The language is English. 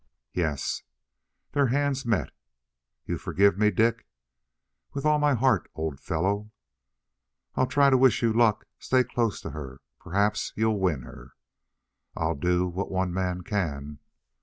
"Yes." Their hands met. "You forgive me, Dick?" "With all my heart, old fellow." "I'll try to wish you luck. Stay close to her. Perhaps you'll win her." "I'll do what one man can."